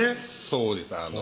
そうです